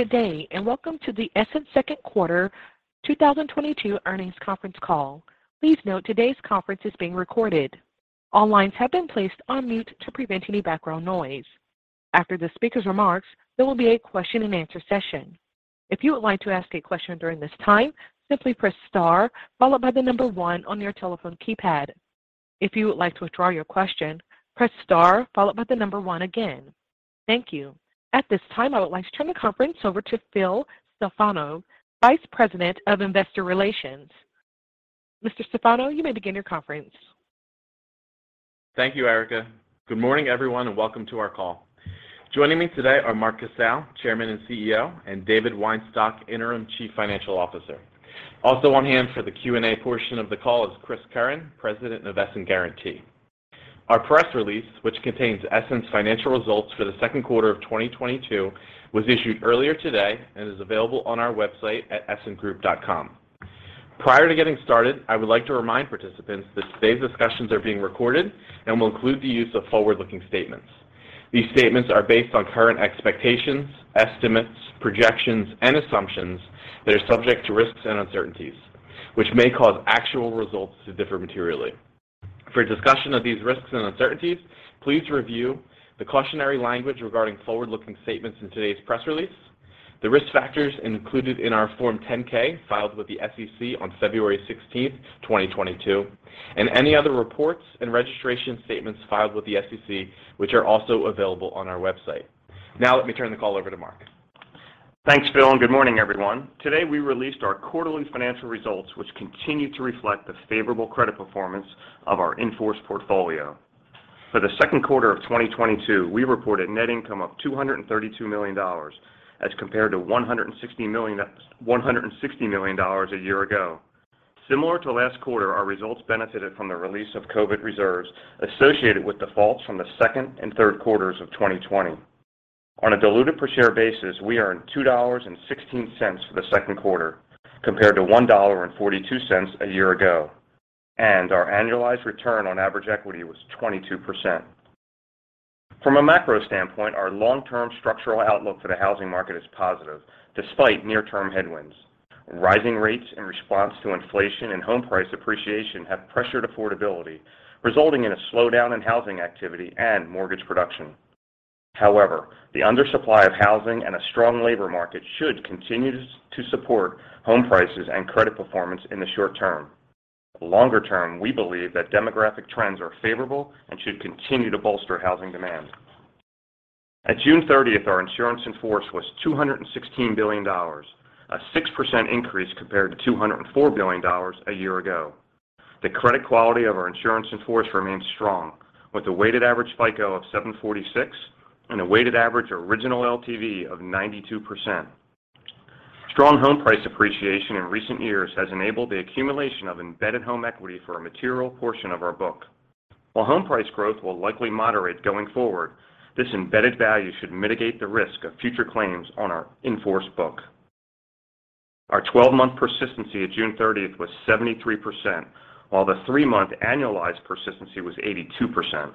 Good day, and welcome to the Essent Second Quarter 2022 Earnings Conference Call. Please note, today's conference is being recorded. All lines have been placed on mute to prevent any background noise. After the speaker's remarks, there will be a question-and-answer session. If you would like to ask a question during this time, simply press star followed by the number one on your telephone keypad. If you would like to withdraw your question, press star followed by the number one again. Thank you. At this time, I would like to turn the conference over to Philip Stefano, Vice President of Investor Relations. Mr. Stefano, you may begin your conference. Thank you, Erica. Good morning, everyone, and welcome to our call. Joining me today are Mark Casale, Chairman and CEO, and David Weinstock, Interim Chief Financial Officer. Also on hand for the Q&A portion of the call is Christopher Curran, President of Essent Guaranty. Our press release, which contains Essent's financial results for the second quarter of 2022 was issued earlier today, and is available on our website at essentgroup.com. Prior to getting started, I would like to remind participants that today's discussions are being recorded, and will include the use of forward-looking statements. These statements are based on current expectations, estimates, projections, and assumptions that are subject to risks and uncertainties, which may cause actual results to differ materially. For a discussion of these risks and uncertainties, please review the cautionary language regarding forward-looking statements in today's press release, the risk factors included in our Form 10-K filed with the SEC on February 16, 2022, and any other reports and registration statements filed with the SEC, which are also available on our website. Now let me turn the call over to Mark. Thanks, Phil, and good morning, everyone. Today, we released our quarterly financial results, which continue to reflect the favorable credit performance of our in-force portfolio. For the second quarter of 2022, we reported net income of $232 million, as compared to $160 million a year ago. Similar to last quarter, our results benefited from the release of COVID reserves associated with defaults from the second, and third quarters of 2020. On a diluted per share basis, we earned $2.16 for the second quarter compared to $1.42 a year ago, and our annualized return on average equity was 22%. From a macro standpoint, our long-term structural outlook for the housing market is positive despite near-term headwinds. Rising rates in response to inflation and home price appreciation have pressured affordability, resulting in a slowdown in housing activity and mortgage production. However, the undersupply of housing, and a strong labor market should continue to support home prices and credit performance in the short term. Longer term, we believe that demographic trends are favorable and should continue to bolster housing demand. At June 30th, our insurance in force was $216 billion, a 6% increase compared to $204 billion a year ago. The credit quality of our insurance in force remains strong, with a weighted average FICO of 746 and a weighted average original LTV of 92%. Strong home price appreciation in recent years has enabled the accumulation of embedded home equity for a material portion of our book. While home price growth will likely moderate going forward, this embedded value should mitigate the risk of future claims on our in-force book. Our 12-month persistency at June 30 was 73%, while the 3-month annualized persistency was 82%.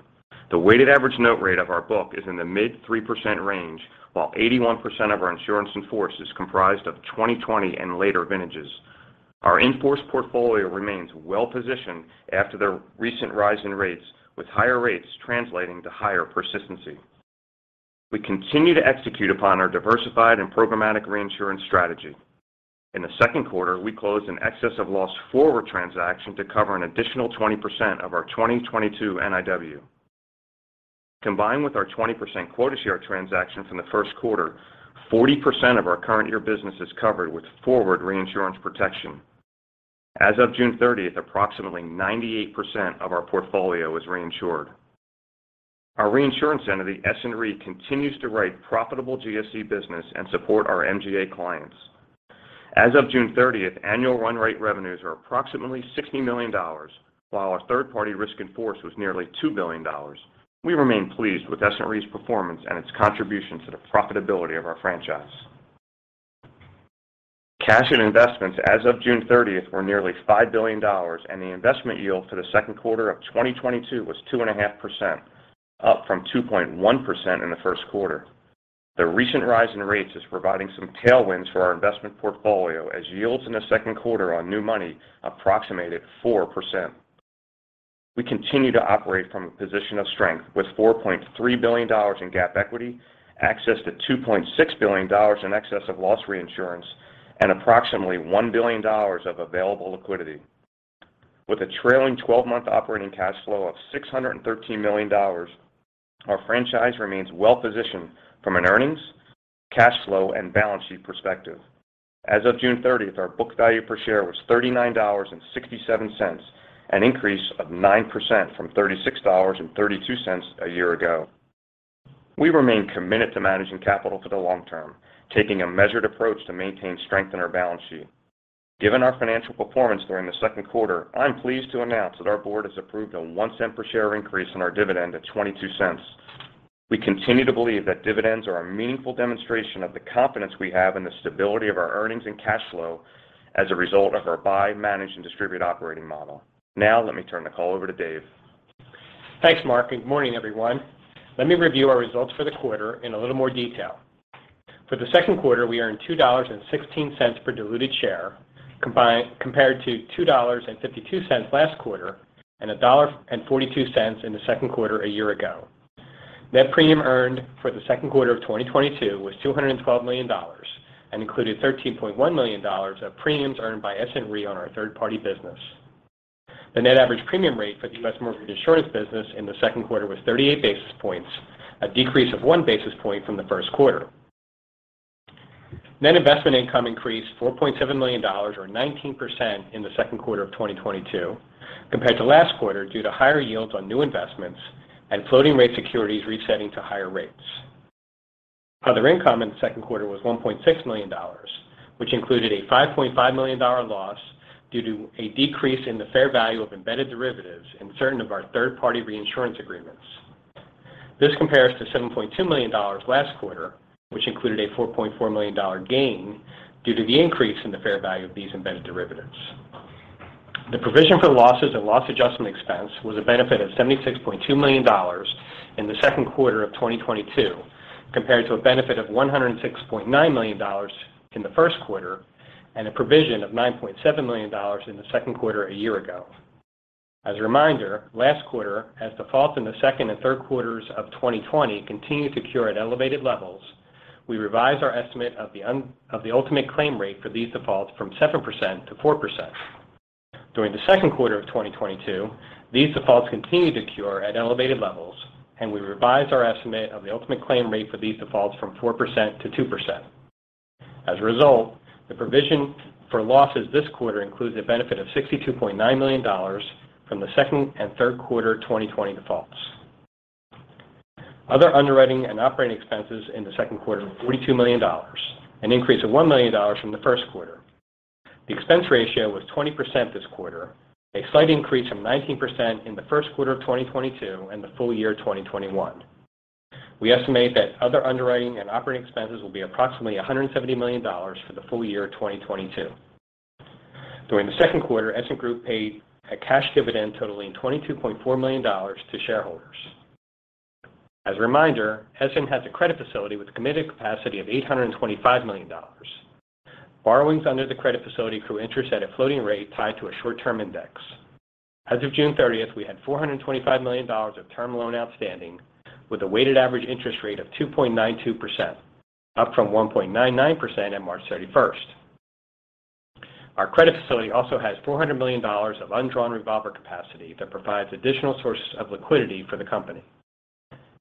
The weighted average note rate of our book is in the mid-3% range, while 81% of our insurance in force is comprised of 2020 and later vintages. Our in-force portfolio remains well-positioned after the recent rise in rates, with higher rates translating to higher persistency. We continue to execute upon our diversified and programmatic reinsurance strategy. In the second quarter, we closed an excess of loss forward transaction to cover an additional 20% of our 2022 NIW. Combined with our 20% quota share transaction from the first quarter, 40% of our current year business is covered with forward reinsurance protection. As of June 30, approximately 98% of our portfolio was reinsured. Our reinsurance entity, Essent Re, continues to write profitable GSE business and support our MGA clients. As of June 30, annual run rate revenues are approximately $60 million, while our third-party risk in force was nearly $2 billion. We remain pleased with Essent Re's performance and its contribution to the profitability of our franchise. Cash and investments as of June 30 were nearly $5 billion, and the investment yield for the second quarter of 2022 was 2.5%, up from 2.1% in the first quarter. The recent rise in rates is providing some tailwinds for our investment portfolio, as yields in the second quarter on new money approximated 4%. We continue to operate from a position of strength, with $4.3 billion in GAAP equity, access to $2.6 billion in excess of loss reinsurance, and approximately $1 billion of available liquidity. With a trailing 12-month operating cash flow of $613 million, our franchise remains well-positioned from an earnings, cash flow, and balance sheet perspective. As of June 13, our book value per share was $39.67, an increase of 9% from $36.32 a year ago. We remain committed to managing capital for the long term, taking a measured approach to maintain strength in our balance sheet. Given our financial performance during the second quarter, I'm pleased to announce that our board has approved a $0.01 per share increase in our dividend to $0.22. We continue to believe that dividends are a meaningful demonstration of the confidence we have in the stability of our earnings, and cash flow as a result of our buy, manage, and distribute operating model. Now let me turn the call over to Dave. Thanks, Mark. Good morning, everyone. Let me review our results for the quarter in a little more detail. For the second quarter, we earned $2.16 per diluted share, compared to $2.52 last quarter and $1.42 in the second quarter a year ago. Net premium earned for the second quarter of 2022 was $212 million, and included $13.1 million of premiums earned by Essent Re on our third-party business. The net average premium rate for the U.S. mortgage insurance business in the second quarter was 38 basis points, a decrease of one basis point from the first quarter. Net investment income increased $4.7 million, or 19% in the second quarter of 2022 compared to last quarter due to higher yields on new investments and floating rate securities resetting to higher rates. Other income in the second quarter was $1.6 million, which included a $5.5 million loss due to a decrease in the fair value of embedded derivatives in certain of our third-party reinsurance agreements. This compares to $7.2 million last quarter, which included a $4.4 million gain due to the increase in the fair value of these embedded derivatives. The provision for losses and loss adjustment expense was a benefit of $76.2 million in the second quarter of 2022, compared to a benefit of $106.9 million in the first quarter and a provision of $9.7 million in the second quarter a year ago. As a reminder, last quarter, as defaults in the second and third quarters of 2020 continued to cure at elevated levels, we revised our estimate of the ultimate claim rate for these defaults from 7% to 4%. During the second quarter of 2022, these defaults continued to cure at elevated levels, and we revised our estimate of the ultimate claim rate for these defaults from 4% to 2%. As a result, the provision for losses this quarter includes a benefit of $62.9 million from the second, and third quarter 2020 defaults. Other underwriting and operating expenses in the second quarter were $42 million, an increase of $1 million from the first quarter. The expense ratio was 20% this quarter, a slight increase from 19% in the first quarter of 2022 and the full year 2021. We estimate that other underwriting, and operating expenses will be approximately $170 million for the full year 2022. During the second quarter, Essent Group paid a cash dividend totaling $22.4 million to shareholders. As a reminder, Essent has a credit facility with a committed capacity of $825 million. Borrowings under the credit facility accrue interest at a floating rate tied to a short-term index. As of June 30, we had $425 million of term loan outstanding with a weighted average interest rate of 2.92%, up from 1.99% at March 31. Our credit facility also has $400 million of undrawn revolver capacity that provides additional sources of liquidity for the company.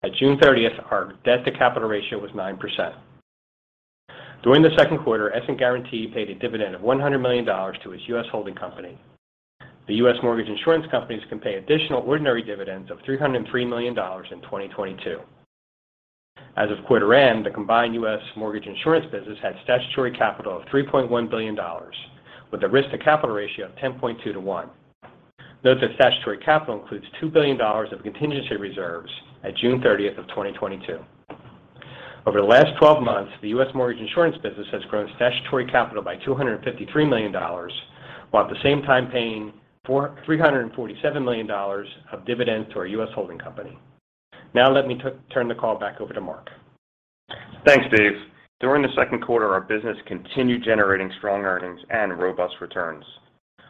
At June 30, our debt-to-capital ratio was 9%. During the second quarter, Essent Guaranty paid a dividend of $100 million to its U.S. holding company. The U.S. mortgage insurance companies can pay additional ordinary dividends of $303 million in 2022. As of quarter end, the combined U.S. mortgage insurance business had statutory capital of $3.1 billion, with a risk-to-capital ratio of 10.2 to 1. Note that statutory capital includes $2 billion of contingency reserves at June 30, 2022. Over the last 12 months, the U.S. mortgage insurance business has grown statutory capital by $253 million, while at the same time paying $347 million of dividends to our U.S. holding company. Now let me turn the call back over to Mark. Thanks, Dave. During the second quarter, our business continued generating strong earnings and robust returns.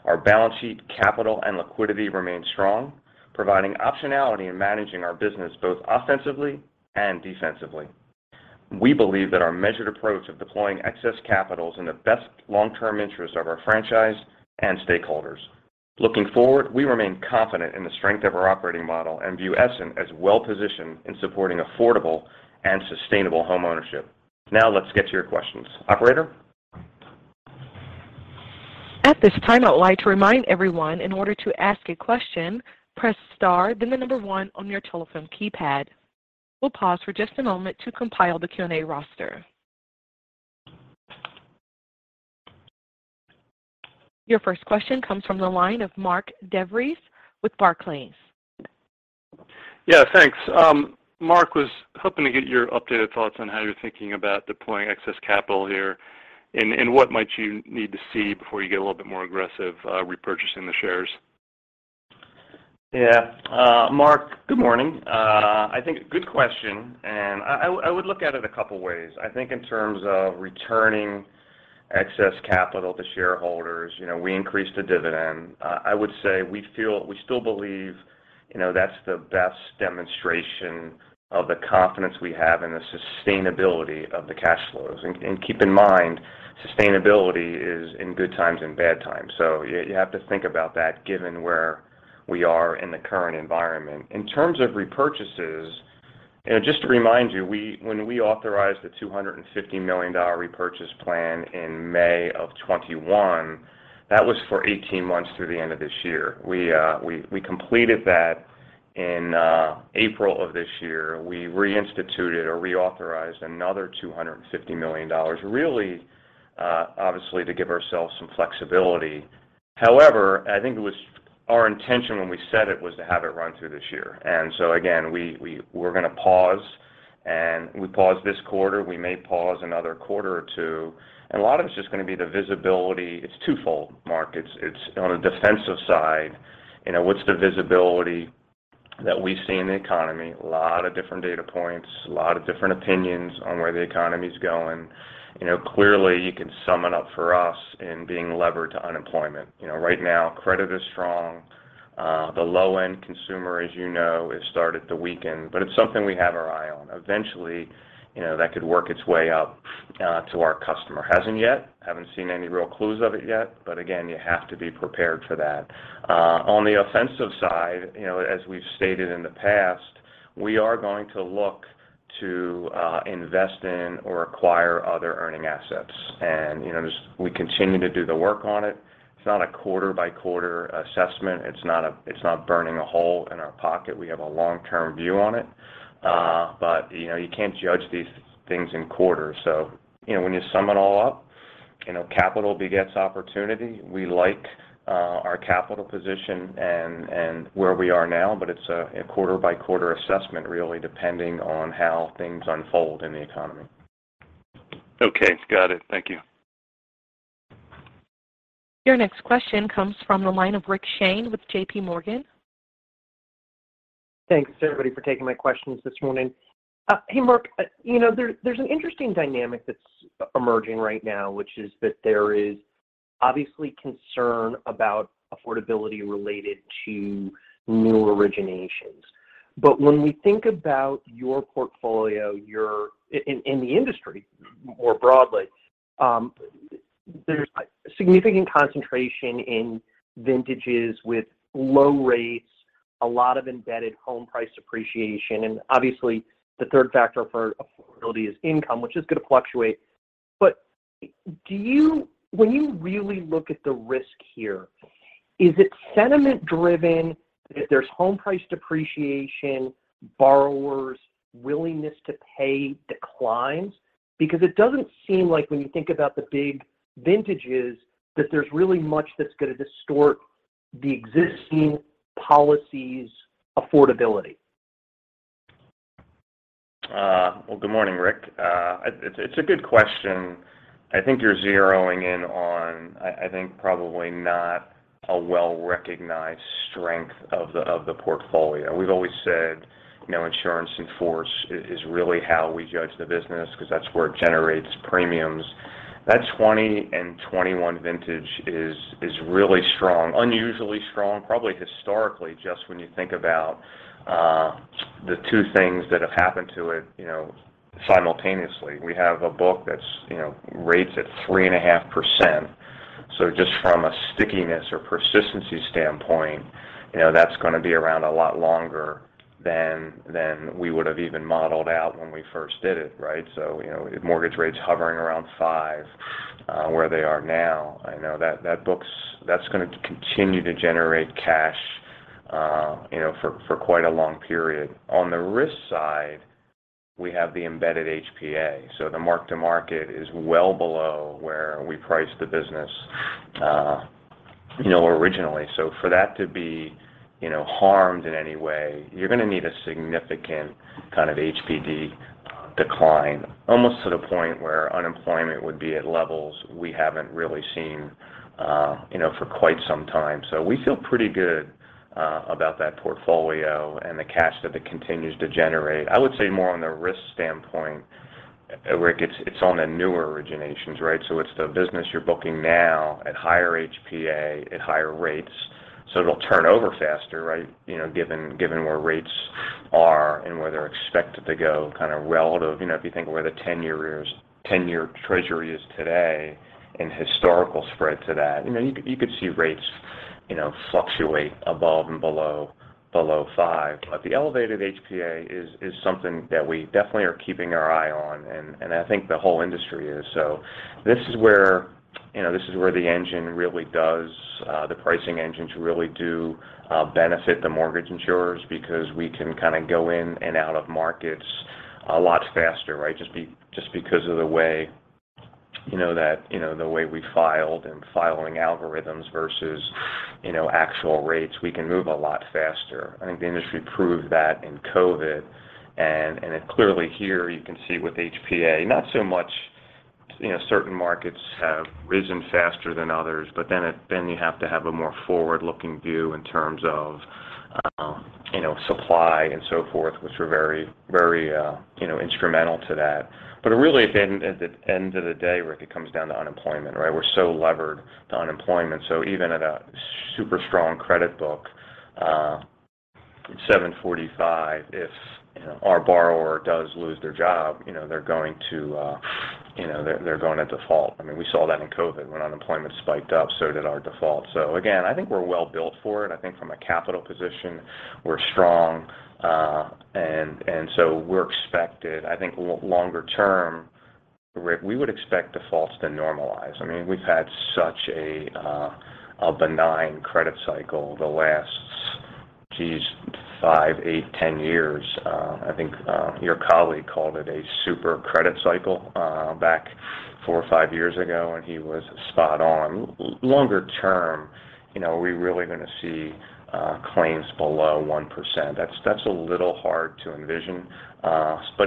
Our balance sheet, capital, and liquidity remain strong, providing optionality in managing our business both offensively and defensively. We believe that our measured approach of deploying excess capital, is in the best long-term interest of our franchise and stakeholders. Looking forward, we remain confident in the strength of our operating model, and view Essent as well-positioned in supporting affordable and sustainable homeownership. Now let's get to your questions. Operator? At this time, I'd like to remind everyone, in order to ask a question, press star then the number one on your telephone keypad. We'll pause for just a moment to compile the Q&A roster. Your first question comes from the line of Mark Devries with Barclays. Yeah. Thanks. Mark, I was hoping to get your updated thoughts on how you're thinking about deploying excess capital here, and what might you need to see before you get a little bit more aggressive repurchasing the shares? Yeah. Mark, good morning. I think good question, and I would look at it a couple ways. I think in terms of returning excess capital to shareholders, you know, we increased the dividend. I would say we still believe, you know, that's the best demonstration of the confidence we have in the sustainability of the cash flows. Keep in mind, sustainability is in good times and bad times. You have to think about that, given where we are in the current environment. In terms of repurchases, you know, just to remind you, when we authorized the $250 million repurchase plan in May of 2021, that was for 18 months through the end of this year. We completed that in April of this year. We reinstituted or reauthorized another $250 million, really obviously to give ourselves some flexibility. However, I think it was our intention when we said it was to have it run through this year. Again, we're going to pause. We paused this quarter. We may pause another quarter or two. A lot of it's just going to be the visibility. It's twofold, Mark. It's on a defensive side. You know, what's the visibility that we see in the economy? A lot of different data points, a lot of different opinions on where the economy is going. You know, clearly, you can sum it up for us in being levered to unemployment. You know, right now, credit is strong. The low-end consumer, as you know, has started to weaken, but it's something we have our eye on. Eventually, you know, that could work its way up to our customer. Hasn't yet. Haven't seen any real clues of it yet. Again, you have to be prepared for that. On the offensive side, you know, as we've stated in the past, we are going to look to invest in or acquire other earning assets. You know, we continue to do the work on it. It's not a quarter-by-quarter assessment. It's not burning a hole in our pocket. We have a long-term view on it. You know, you can't judge these things in quarters. You know, when you sum it all up, you know, capital begets opportunity. We like our capital position and where we are now, but it's a quarter-by-quarter assessment really, depending on how things unfold in the economy. Okay, got it. Thank you. Your next question comes from the line of Rick Shane with JPMorgan. Thanks, everybody for taking my questions this morning. Hey, Mark, you know, there's an interesting dynamic that's emerging right now, which is that there is obviously concern about affordability related to new originations. When we think about your portfolio, in the industry more broadly, there's a significant concentration in vintages with low rates, a lot of embedded home price appreciation. Obviously, the third factor for affordability is income, which is going to fluctuate. When you really look at the risk here, is it sentiment-driven if there's home price depreciation, borrowers' willingness to pay declines? Because it doesn't seem like when you think about the big vintages, that there's really much that's going to distort the existing policy's affordability. Well, good morning, Rick. It's a good question. I think you're zeroing in on I think probably not a well-recognized strength of the portfolio. We've always said, you know, insurance in force is really how we judge the business because that's where it generates premiums. That 2020 and 2021 vintage is really strong, unusually strong, probably historically, just when you think about the two things that have happened to it, you know, simultaneously. We have a book that's, you know, rates at 3.5%. Just from a stickiness or persistency standpoint, you know, that's going to be around a lot longer than we would have even modeled out when we first did it, right? You know, if mortgage rates are hovering around 5%, where they are now, I know that's going to continue to generate cash, you know, for quite a long period. On the risk side, we have the embedded HPA. The mark-to-market is well below where we priced the business originally. For that to be harmed in any way, you're going to need a significant kind of HPD decline, almost to the point where unemployment would be at levels we haven't really seen for quite some time. We feel pretty good about that portfolio and the cash that it continues to generate. I would say more on the risk standpoint, Rick, it's on the newer originations, right? It's the business you're booking now at higher HPA, at higher rates. It'll turn over faster, right, you know, given where rates are and where they're expected to go. You know, if you think of where the 10-year Treasury is today in historical spread to that, you know, you could see rates, you know, fluctuate above and below five. The elevated HPA is something that we definitely are keeping our eye on, and I think the whole industry is. You know, this is wherethe pricing engines really do benefit the mortgage insurers, because we can kind of go in and out of markets a lot faster, right? Just because of, you know, the way we filed and filing algorithms versus you know, actual rates, we can move a lot faster. I think the industry proved that in COVID. Then clearly here, you can see with HPA, not so much, you know, certain markets have risen faster than others, but then you have to have a more forward-looking view in terms of, you know, supply and so forth, which were very, you know, instrumental to that. Really, at the end of the day, Rick, it comes down to unemployment, right? We're so levered to unemployment. Even at a super strong credit book, 745, if, you know, our borrower does lose their job, you know, they're going to default. I mean, we saw that in COVID. When unemployment spiked up, so did our default. Again, I think we're well built for it. I think from a capital position, we're strong. WI think longer term, Rick, we would expect defaults to normalize. I mean, we've had such a benign credit cycle the last, geez, five, eight, 10 years. I think your colleague called it a super credit cycle back four or five years ago, and he was spot on. Longer term, you know, are we really going to see claims below 1%? That's a little hard to envision.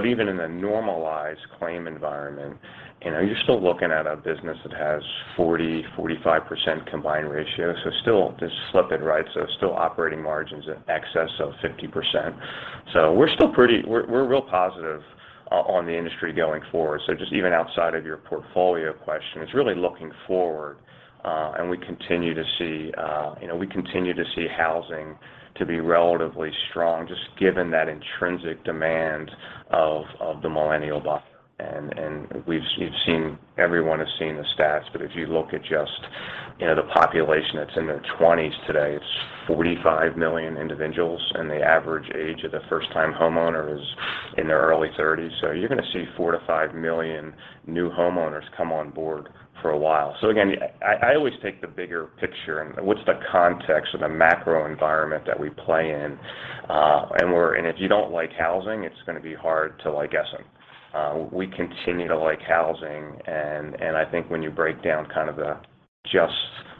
Even in a normalized claim environment, you know, you're still looking at a business that has 40%-45% combined ratio. Still just solid, right? Still operating margins in excess of 50%.. We're real positive on the industry going forward. Just even outside of your portfolio question, it's really looking forward. You know, we continue to see housing to be relatively strong, just given that intrinsic demand of the millennial buyer. Everyone has seen the stats. If you look at just, you know, the population that's in their 20s today, it's 45 million individuals. The average age of the first-time homeowner is in their early 30s. You're going to see 4 million-5 million new homeowners come on board for a while. Again, I always take the bigger picture, and what's the context of the macro environment that we play in? If you don't like housing, it's going to be hard to like Essent. We continue to like housing, and I think when you break down kind of just,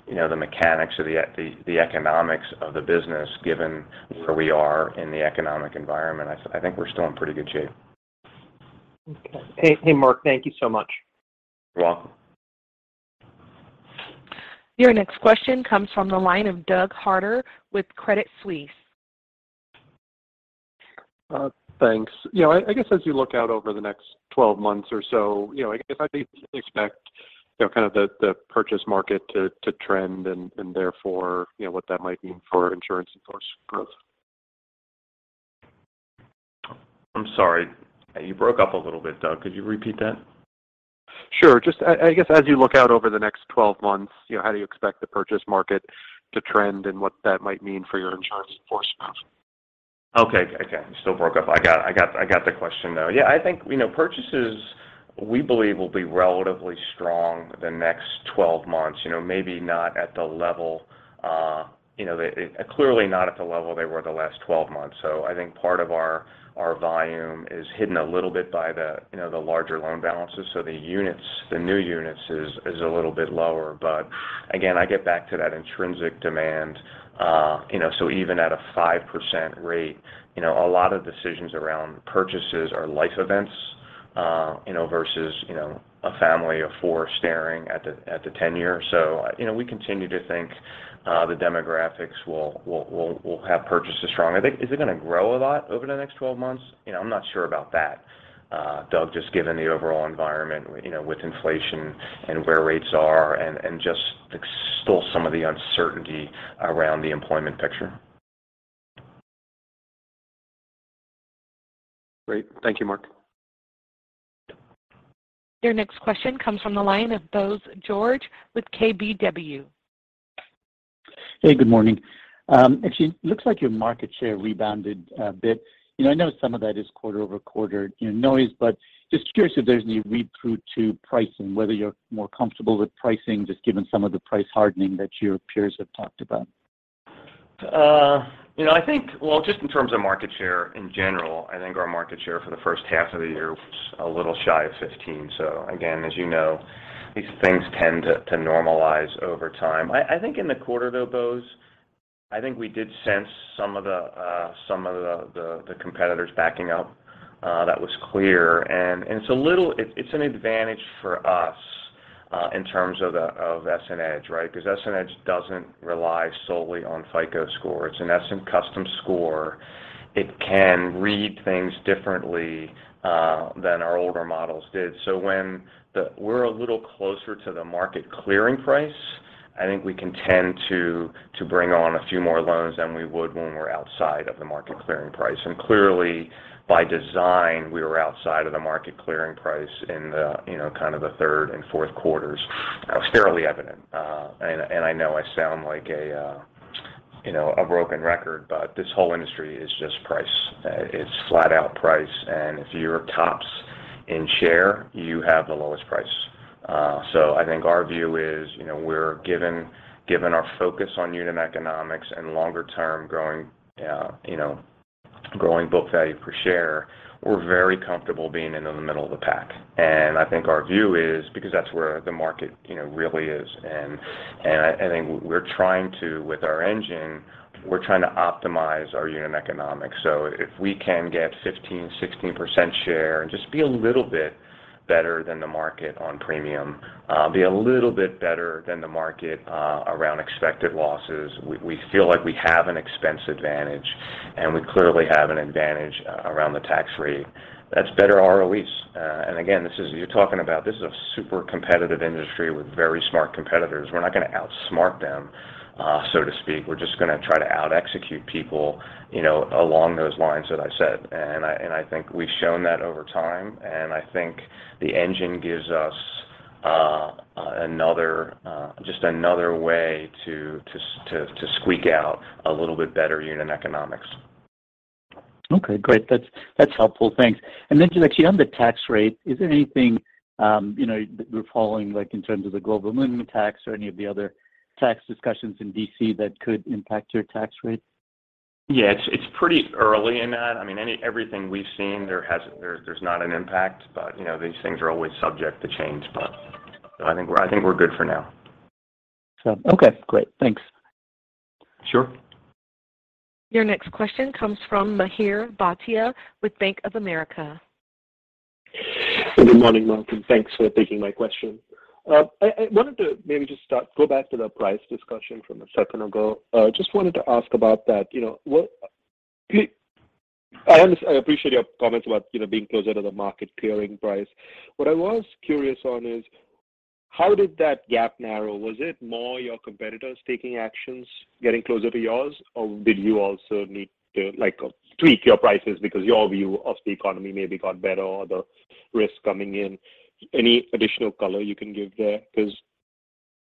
you know, the mechanics of the economics of the business, given where we are in the economic environment, I think we're still in pretty good shape. Okay. Hey, Mark. Thank you so much. You're welcome. Your next question comes from the line of Doug Harter with Credit Suisse. Thanks. You know, I guess as you look out over the next 12 months or so, you know, I guess how do you expect, you know, kind of the purchase market to trend and therefore, you know, what that might mean for your insurance growth? I'm sorry. You broke up a little bit, Doug. Could you repeat that? Sure. I guess as you look out over the next 12 months, you know, how do you expect the purchase market to trend, and what that might mean for your insurance in force? Okay, still broke up. I got the question, though. Yeah, I think, you know, purchases, we believe will be relatively strong the next 12 months. You know, maybe, you know, clearly not at the level they were the last 12 months. I think part of our volume is hidden a little bit by the larger loan balances. The new units is a little bit lower. Again, I get back to that intrinsic demand. You know, so even at a 5% rate, you know, a lot of decisions around purchases are life events, you know, versus, you know, a family of four staring at the 10-year. You know, we continue to think the demographics will have purchases strong. I think, is it going to grow a lot over the next 12 months? You know, I'm not sure about that, Doug, just given the overall environment, you know, with inflation and where rates are, and just still some of the uncertainty around the employment picture. Great. Thank you, Mark. Your next question comes from the line of Bose George with KBW. Hey, good morning. Actually, looks like your market share rebounded a bit. You know, I know some of that is quarter-over-quarter, you know, noise, but just curious if there's any read-through to pricing, whether you're more comfortable with pricing, just given some of the price hardening that your peers have talked about. You know, I think well, just in terms of market share in general, I think our market share for the first half of the year was a little shy of 15%. Again, as you know, these things tend to normalize over time. I think in the quarter, though, Bose, I think we did sense some of the competitors backing up. That was clear. It's a little. It's an advantage for us in terms of EssentEDGE, right? Because EssentEDGE doesn't rely solely on FICO score. It's an Essent custom score. It can read things differently than our older models did. We're a little closer to the market clearing price, I think we can tend to bring on a few more loans than we would when we're outside of the market clearing price. Clearly, by design, we were outside of the market clearing price in the, you know, kind of the third and fourth quarters. It was fairly evident. I know I sound like, you know, a broken record, but this whole industry is just price. It's flat out price. If you're tops in share, you have the lowest price. I think our view is, you know, we're given our focus on unit economics and longer-term growing book value per share, we're very comfortable being in the middle of the pack. I think our view is, because that's where the market, you know, really is and I think we're trying to optimize our unit economics with our engine. If we can get 15%-16% share and just be a little bit better than the market on premium, be a little bit better than the market around expected losses, we feel like we have an expense advantage, and we clearly have an advantage around the tax rate. That's better ROEs. Again, you're talking about, this is a super competitive industry with very smart competitors. We're not going to outsmart them, so to speak. We're just going to try to out-execute people, you know, along those lines that I said. I think we've shown that over time, and I think the engine gives us just another way to squeak out a little bit better unit economics. Okay, great. That's helpful. Thanks. Just actually on the tax rate, is there anything, you know, that you're following, like in terms of the global minimum tax or any of the other tax discussions in D.C. that could impact your tax rate? Yeah, it's pretty early in that. I mean, everything we've seen there, there's not an impact. You know, these things are always subject to change. I think we're good for now. Okay, great. Thanks. Sure. Your next question comes from Mihir Bhatia with Bank of America. Good morning, Mark, and thanks for taking my question. I wanted to maybe just go back to the price discussion from a second ago. Just wanted to ask about that, you know, I appreciate your comments about, you know, being closer to the market clearing price. What I was curious on is, how did that gap narrow? Was it more your competitors taking actions, getting closer to yours? Or did you also need to, like, tweak your prices because your view of the economy maybe got better or the risk coming in? Any additional color you can give there?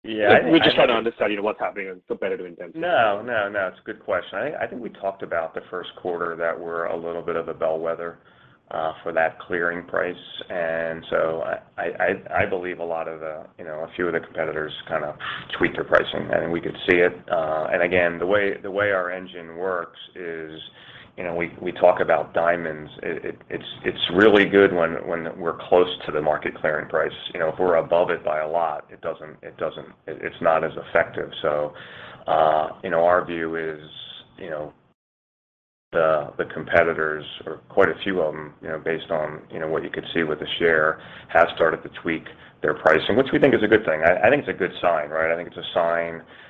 Yeah. We're just trying to understand, you know, what's happening on competitive intensity? No, it's a good question. I think we talked about the first quarter, that we're a little bit of a bellwether for that clearing price. I believe, you know, a few of the competitors kind of tweaked their pricing, and we could see it. Again, the way our engine works is, you know, we talk about diamonds. It's really good when we're close to the market clearing price. You know, if we're above it by a lot, it's not as effective. You know, our view is, you know, the competitors or quite a few of them, you know, based on, you know, what you could see with the share, have started to tweak their pricing, which we think is a good thing. I think it's a good sign, right? I think it's a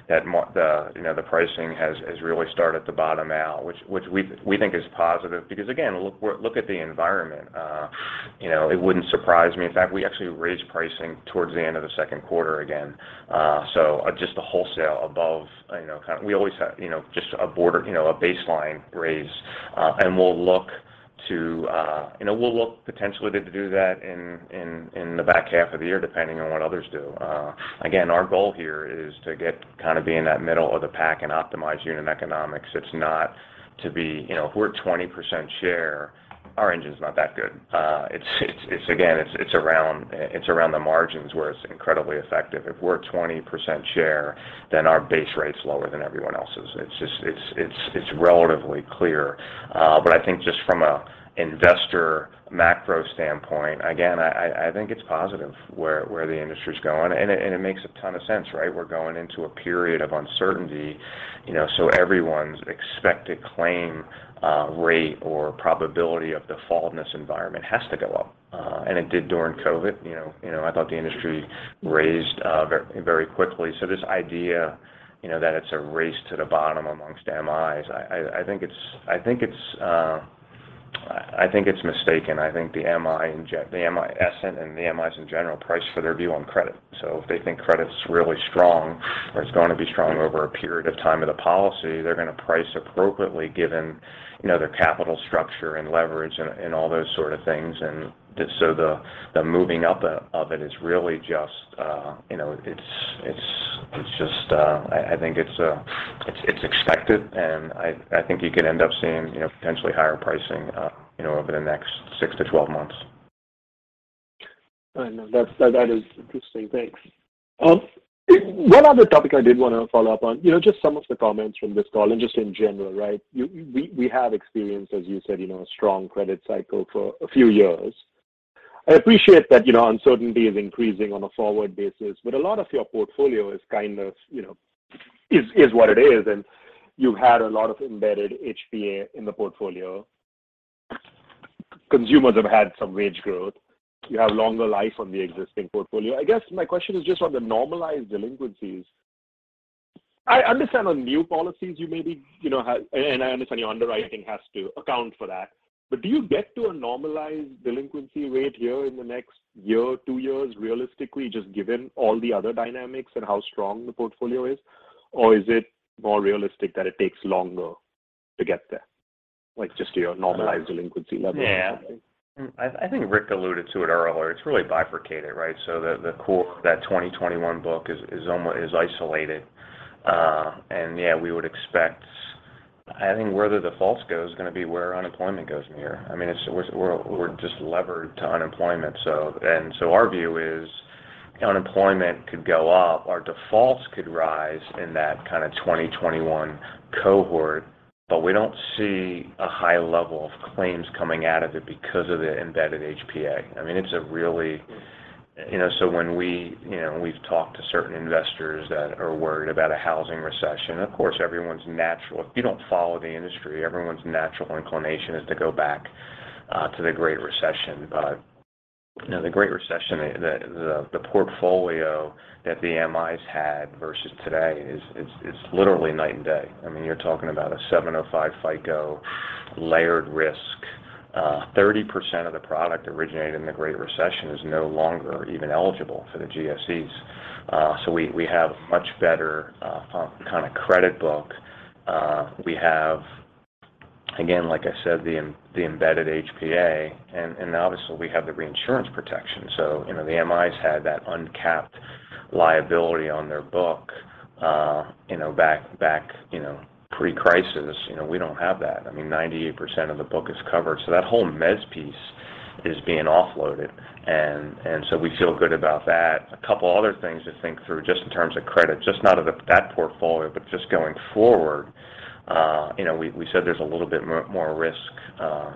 sign that, you know, the pricing has really started to bottom out, which we think is positive. Because again, look at the environment. You know, it wouldn't surprise me. In fact, we actually raised pricing towards the end of the second quarter again, so just the wholesale above, you know. We always have, you know, just, you know, a baseline raise. We'll look potentially to do that in the back half of the year, depending on what others do. Again, our goal here is to kind of be in that middle of the pack and optimize unit economics. You know, if we're at 20% share, our engine's not that good. Again, it's around the margins where it's incredibly effective. If we're at 20% share, then our base rate's lower than everyone else's. It's just relatively clear. I think just from an investor macro standpoint, again, I think it's positive where the industry's going and it makes a ton of sense, right? We're going into a period of uncertainty, you know, so everyone's expected claim rate or probability of default in this environment has to go up. It did during COVID. You know, I thought the industry raised very quickly. This idea, you know, that it's a race to the bottom among MIs, I think it's mistaken. I think the MI Essent and the MI's in general price for their view on credit. If they think credit's really strong or it's going to be strong over a period of time of the policy, they're going to price appropriately given, you know, their capital structure and leverage, and all those sort of things. The moving up of it is really you know, I think it's expected. I think you could end up seeing, you know, potentially higher pricing, you know, over the next six to 12 months. I know, that is interesting. Thanks. One other topic I did want to follow up on, you know, just some of the comments from this call and just in general, right? We have experienced, as you said, you know, a strong credit cycle for a few years. I appreciate that, you know, uncertainty is increasing on a forward basis, but a lot of your portfolio is kind of, you know, is what it is, and you've had a lot of embedded HPA in the portfolio. Consumers have had some wage growth. You have longer life on the existing portfolio. I guess my question is just on the normalized delinquencies. I understand on new policies, you know, and I understand your underwriting has to account for that. Do you get to a normalized delinquency rate here in the next year, two years, realistically, just given all the other dynamics and how strong the portfolio is? Or is it more realistic that it takes longer to get there? Like, just to your normalized delinquency level. I think Rick alluded to it earlier. It's really bifurcated, right? The core that 2021 book is isolated. We would expect, I think where the default goes is going to be where unemployment goes, Mihir. I mean, we're just levered to unemployment. Our view is unemployment could go up, our defaults could rise in that kind of 2021 cohort, but we don't see a high level of claims coming out of it because of the embedded HPA. I mean, you know, when, you know, we've talked to certain investors that are worried about a housing recession, of course if you don't follow the industry, everyone's natural inclination is to go back to the Great Recession. You know, the Great Recession, the portfolio that the MIs had versus today is literally night and day. I mean, you're talking about a 705 FICO layered risk. 30% of the product originated in the Great Recession is no longer even eligible for the GSEs, so we have a much better kind of credit book. We have, again like I said, the embedded HPA, and obviously we have the reinsurance protection. You know, the MIs had that uncapped liability on their book, you know, back pre-crisis. You know, we don't have that. I mean, 98% of the book is covered, so that whole mezz piece is being offloaded. We feel good about that. A couple other things to think through just in terms of credit, just not of that portfolio, but just going forward. You know, we said there's a little bit more risk,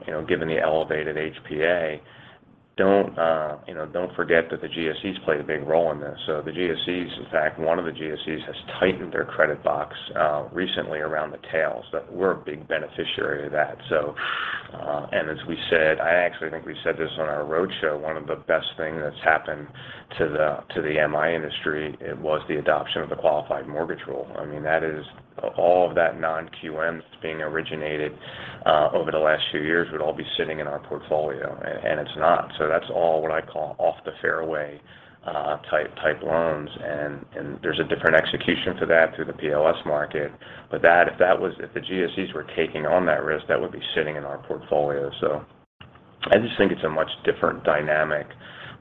you know, given the elevated HPA. Don't forget that the GSEs play a big role in this. In fact, one of the GSEs has tightened their credit box recently around the tails, that we're a big beneficiary of that. As we said, I actually think we said this on our roadshow, one of the best thing that's happened to the MI industry, it was the adoption of the Qualified Mortgage rule. I mean, all of that non-QM that's being originated over the last few years would all be sitting in our portfolio and it's not. That's all what I call off-the-fairway type loans. There's a different execution to that through the PLS market. If the GSEs were taking on that risk, that would be sitting in our portfolio. I just think it's a much different dynamic,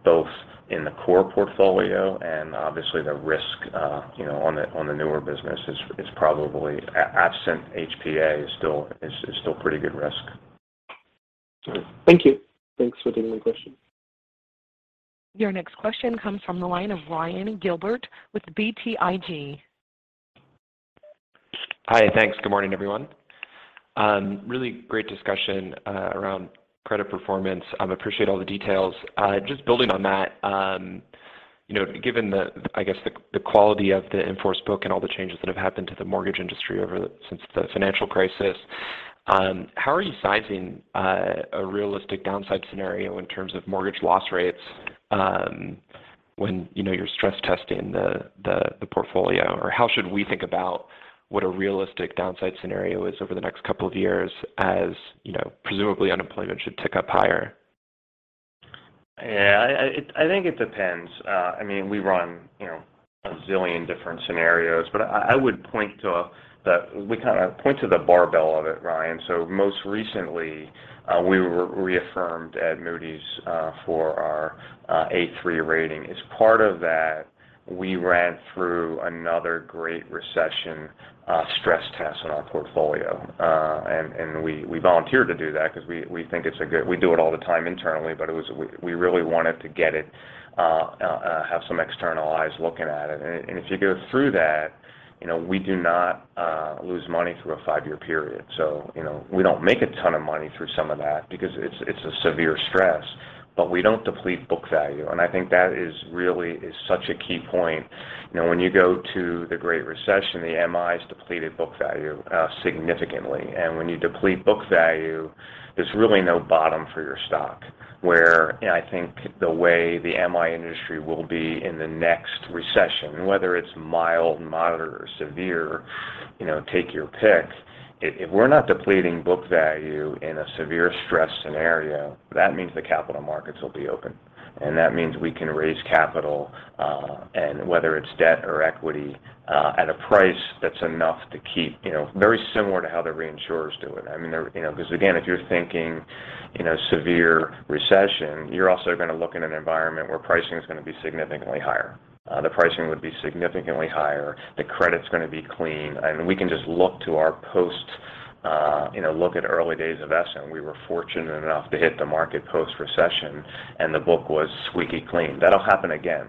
both in the core portfolio and obviously the risk, you know, on the newer business is probably absent HPA is still pretty good risk. All right. Thank you. Thanks for taking my question. Your next question comes from the line of Ryan Gilbert with BTIG. Hi. Thanks. Good morning, everyone. Really great discussion around credit performance. Appreciate all the details. Just building on that, you know, given the quality of the in-force book and all the changes that have happened to the mortgage industry since the financial crisis, how are you sizing a realistic downside scenario in terms of mortgage loss rates, when, you know, you're stress testing the portfolio? Or how should we think about what a realistic downside scenario is over the next couple of years as, you know, presumably unemployment should tick up higher? Yeah, I think it depends. I mean, we run, you know, a zillion different scenarios, but I would point t, we kind of point to the barbell of it, Ryan. Most recently, we were reaffirmed at Moody's for our A3 rating. As part of that, we ran through another Great Recession stress test on our portfolio. We volunteered to do that because we do it all the time internally, but we really wanted to have some external eyes looking at it. If you go through that, you know, we do not lose money through a five-year period. You know, we don't make a ton of money through some of that because it's a severe stress, but we don't deplete book value. I think that is really such a key point. You know, when you go to the Great Recession, the MIs depleted book value significantly. When you deplete book value, there's really no bottom for your stock. Whereas, you know, I think the way the MI industry will be in the next recession, whether it's mild, moderate, or severe, you know, take your pick. If we're not depleting book value in a severe stress scenario, that means the capital markets will be open, and that means we can raise capital and whether it's debt or equity, at a price, that's enough to keep it, you know, very similar to how the reinsurers do it. I mean, you know, because again, if you're thinking, you know, severe recession, you're also gonna look in an environment where pricing is going to be significantly higher. The pricing would be significantly higher. The credit's going to be clean. We can just look at early days of Essent. We were fortunate enough to hit the market post-recession, and the book was squeaky clean. That'll happen again.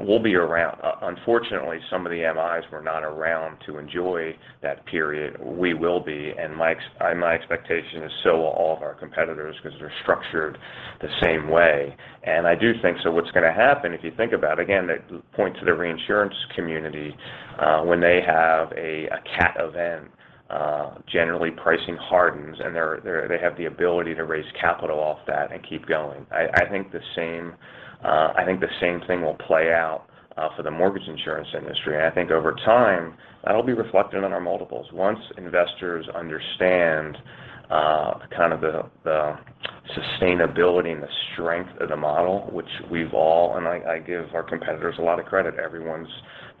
We'll be around. Unfortunately, some of the MIs were not around to enjoy that period. We will be, and my expectation is so will all of our competitors because they're structured the same way. I do think, so what's going to happen, if you think about, again, that points to the reinsurance community, when they have a cat event, generally pricing hardens, and they have the ability to raise capital off that and keep going. I think the same thing will play out for the mortgage insurance industry. I think over time, that'll be reflected on our multiples. Once investors understand kind of the sustainability and the strength of the model, and I give our competitors a lot of credit. Everyone's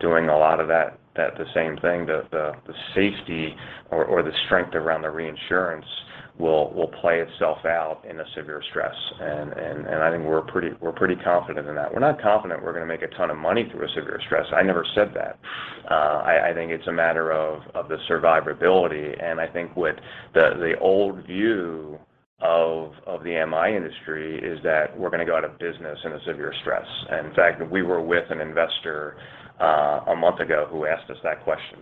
doing a lot of that, the same thing. The safety or the strength around the reinsurance will play itself out in a severe stress. I think we're pretty confident in that. We're not confident we're going to make a ton of money through a severe stress. I never said that. I think it's a matter of the survivability. I think the old view of the MI industry is that we're going to go out of business in a severe stress. In fact, we were with an investor a month ago who asked us that question.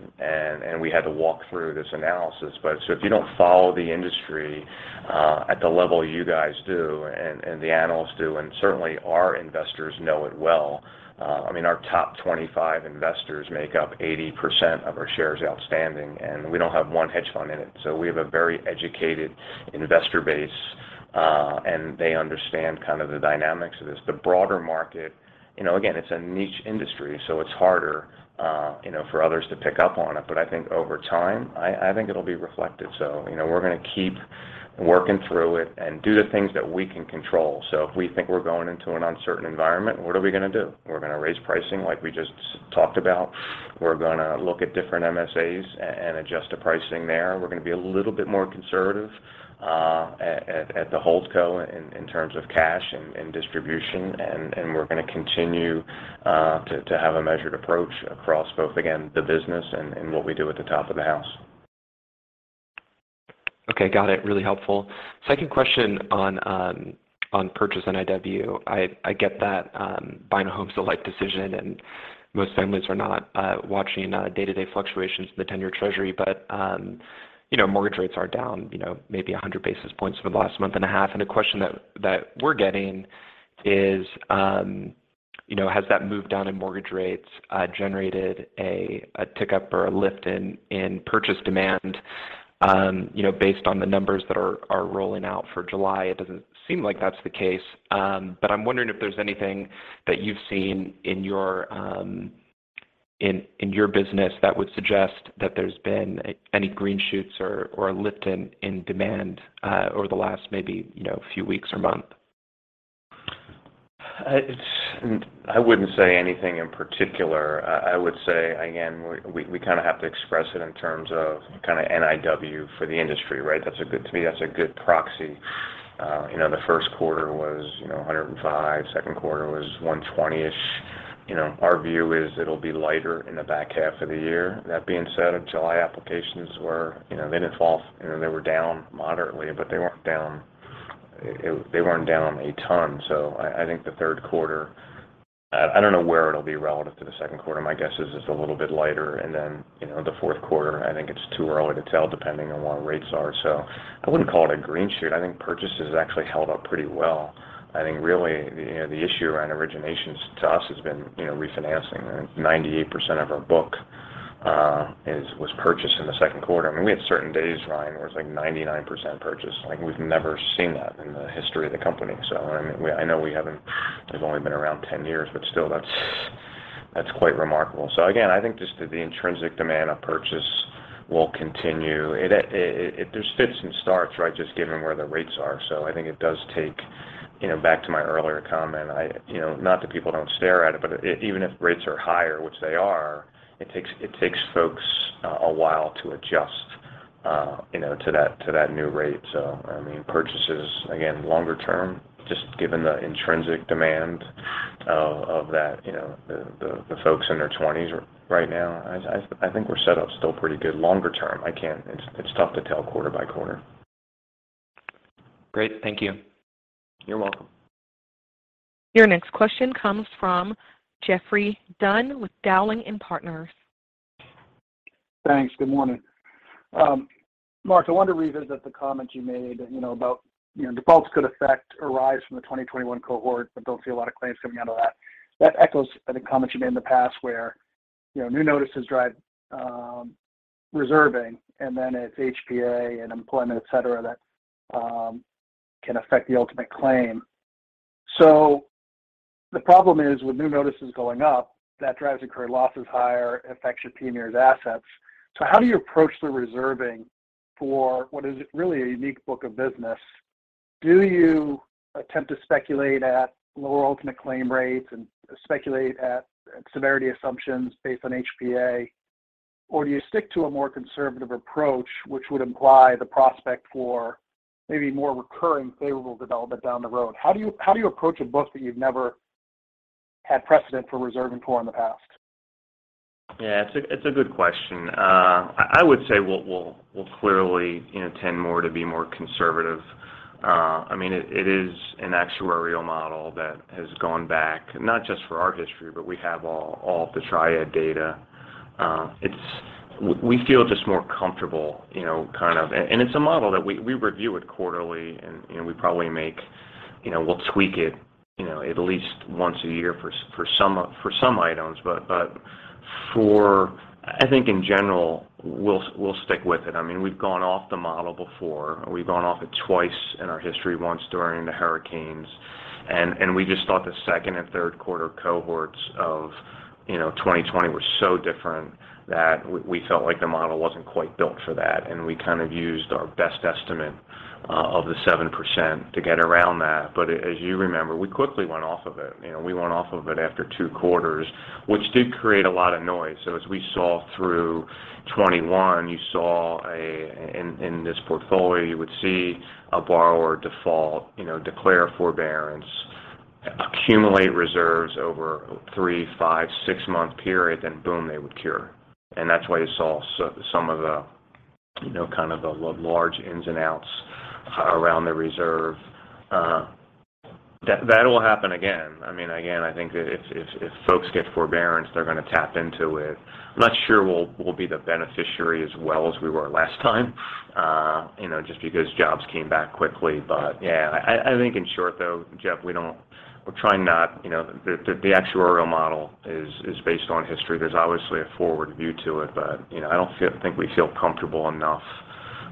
We had to walk through this analysis. If you don't follow the industry at the level you guys do and the analysts do, and certainly our investors know it well, I mean, our top 25 investors make up 80% of our shares outstanding, and we don't have one hedge fund in it. We have a very educated investor base, and they understand kind of the dynamics of this. The broader market, you know, again, it's a niche industry, so it's harder, you know, for others to pick up on it. I think over time, I think it'll be reflected. You know, we're going keep working through it, and do the things that we can control. If we think we're going into an uncertain environment, what are we going to do? We're going to raise pricing like we just talked about. We're going to look at different MSAs and adjust the pricing there. We're going to be a little bit more conservative at the HoldCo in terms of cash and distribution. We're going to continue to have a measured approach across both, again the business and what we do at the top of the house. Okay, got it. Really helpful. Second question on purchase NIW. I get that buying a home is a life decision, and most families are not watching day-to-day fluctuations in the 10-year treasury. You know, mortgage rates are down, you know, maybe 100 basis points for the last month and a half. The question that we're getting is, you know, has that move down in mortgage rates generated a tick up or a lift in purchase demand? You know, based on the numbers that are rolling out for July, it doesn't seem like that's the case. I'm wondering if there's anything that you've seen in your business that would suggest that there's been any green shoots, or a lift in demand over the last maybe, you know, few weeks or month. I wouldn't say anything in particular. I would say, again, we kind of have to express it in terms of kind of NIW for the industry, right? To me, that's a good proxy. You know, the first quarter was, you know, 105. Second quarter was 120-ish. You know, our view is it'll be lighter in the back half of the year. That being said, July applications, you know, they didn't fall. You know, they were down moderately, but they weren't down a ton. I think the third quarter, I don't know where it'll be relative to the second quarter. My guess is it's a little bit lighter and then you know, the fourth quarter, I think it's too early to tell, depending on what rates are. I wouldn't call it a green shoot. I think purchases actually held up pretty well. I think really, you know, the issue around originations to us has been, you know, refinancing. 98% of our book was purchased in the second quarter. I mean, we had certain days, Ryan, where it's like 99% purchase. Like, we've never seen that in the history of the company. I mean, I know we've only been around 10 years, but still that's quite remarkable. Again, I think just the intrinsic demand of purchase will continue. There's fits and starts, right, just given where the rates are. I think it does take, you know, back to my earlier comment. You know, not that people don't stare at it, but even if rates are higher, which they are, it takes folks a while to adjust, you know, to that new rate. I mean, purchases, again, longer term, just given the intrinsic demand of that, you know, the folks in their 20s right now, I think we're set up still pretty good longer term. It's tough to tell quarter by quarter. Great. Thank you. You're welcome. Your next question comes from Geoffrey Dunn with Dowling & Partners. Thanks. Good morning. Mark, I wanted to revisit the comment you made, you know, about, you know, defaults could affect or rise from the 2021 cohort, but you don't see a lot of claims coming out of that. That echoes, I think comments you made in the past where, you know, new notices drive reserving, and then it's HPA and employment, etc, that can affect the ultimate claim. The problem is, with new notices going up, that drives incurred losses higher, affects your PMIERs assets. How do you approach the reserving for what is really a unique book of business? Do you attempt to speculate at lower ultimate claim rates and speculate at severity assumptions based on HPA? Or do you stick to a more conservative approach, which would imply the prospect for maybe more recurring favorable development down the road? How do you approach a book that you've never had precedent for reserving for in the past? Yeah. It's a good question. I would say we'll clearly, you know, tend to be more conservative. I mean, it is an actuarial model that has gone back not just for our history, but we have all of the Triad data. We feel just more comfortable, you know., and it's a model that, we review quarterly and, you know, we'll tweak it, you know, at least once a year for some items. I think in general, we'll stick with it. I mean, we've gone off the model before. We've gone off it twice in our history, once during the hurricanes. We just thought the second and third quarter cohorts of, you know, 2020 were so different that we felt like the model wasn't quite built for that, and we kind of used our best estimate of the 7% to get around that. As you remember, we quickly went off of it. You know, we went off of it after two quarters, which did create a lot of noise. As we saw through 2021, you saw in this portfolio, you would see a borrower default, you know, declare forbearance, accumulate reserves over three, five, six-month period, then boom, they would cure. That's why you saw some of the, you know, kind of the large ins and outs around the reserve. That will happen again. I mean, again, I think if folks get forbearance, they're going to tap into it. I'm not sure we'll be the beneficiary as well as we were last time, you know, just because jobs came back quickly. Yeah, I think in short though, Jeff, you know, the actuarial model is based on history. There's obviously a forward view to it, but, you know, I don't think we feel comfortable enough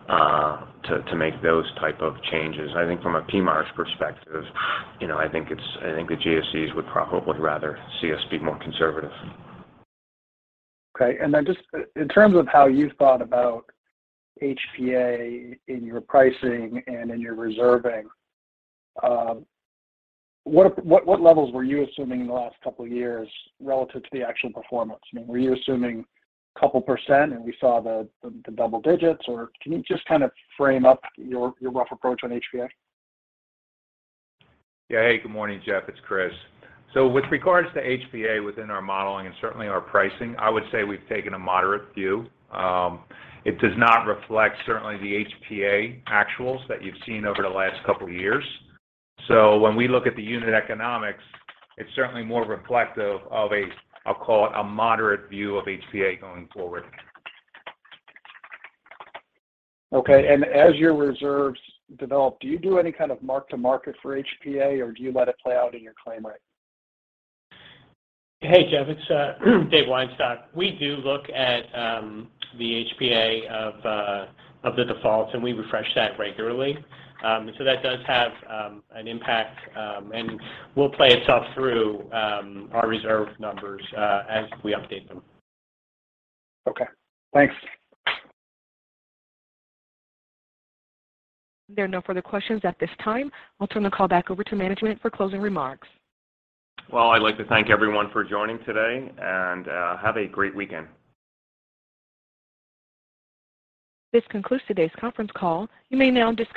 to make those type of changes. I think from a PMIERs perspective, you know, I think the GSEs would probably rather see us be more conservative. Okay. Just in terms of how you thought about HPA in your pricing and in your reserving, what levels were you assuming in the last couple of years relative to the actual performance? I mean, were you assuming a couple percent and we saw the double digits? Or can you just kind of frame up your rough approach on HPA? Yeah. Hey, good morning, Jeffrey. It's Chris. With regards to HPA within our modeling and certainly our pricing, I would say we've taken a moderate view. It does not reflect certainly the HPA actuals that you've seen over the last couple of years. When we look at the unit economics, it's certainly more reflective of a, I'll call it a moderate view of HPA going forward. Okay. As your reserves develop, do you do any kind of mark to market for HPA, or do you let it play out in your claim rate? Hey, Geoffrey, it's Dave Weinstock. We do look at the HPA of the defaults, and we refresh that regularly. That does have an impact, and will play itself through our reserve numbers as we update them. Okay. Thanks. There are no further questions at this time. I'll turn the call back over to management for closing remarks. Well, I'd like to thank everyone for joining today, and have a great weekend. This concludes today's conference call. You may now disconnect.